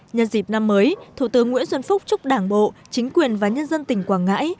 nhân dịp năm mới thủ tướng nguyễn xuân phúc chúc đảng bộ chính quyền và nhân dân tỉnh quảng ngãi